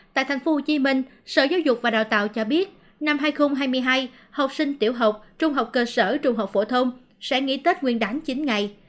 tại tp hcm sở giáo dục và đào tạo cho biết năm hai nghìn hai mươi hai học sinh tiểu học trung học cơ sở trung học phổ thông sẽ nghỉ tết nguyên đáng chín ngày